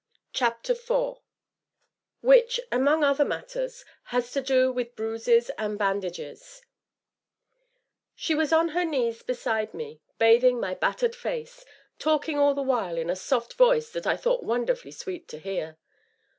CHAPTER IV WHICH, AMONG OTHER MATTERS, HAS TO DO WITH BRUISES AND BANDAGES She was on her knees beside me, bathing my battered face, talking all the while in a soft voice that I thought wonderfully sweet to hear.